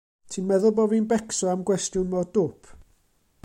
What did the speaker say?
Ti'n meddwl bo fi'n becso am gwestiwn mor dwp?